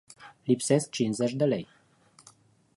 Lipsesc cincizeci de lei.